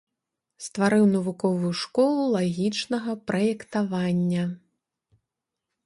Стварыў навуковую школу лагічнага праектавання.